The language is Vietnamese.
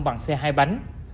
bằng xe hai bánh